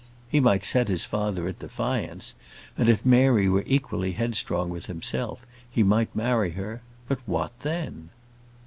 He might set his father at defiance, and if Mary were equally headstrong with himself, he might marry her. But, what then?